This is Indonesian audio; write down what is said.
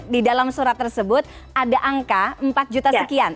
di dalam surat tersebut ada angka empat juta sekian